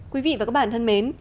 quý vị và các bạn thân mến